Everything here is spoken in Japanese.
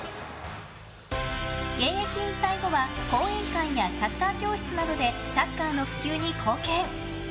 現役引退後は講演会やサッカー教室などでサッカーの普及に貢献。